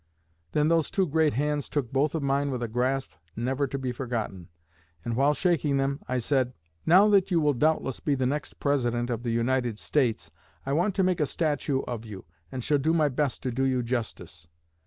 Then those two great hands took both of mine with a grasp never to be forgotten. And while shaking them, I said: 'Now that you will doubtless be the next President of the United States, I want to make a statue of you, and shall do my best to do you justice.'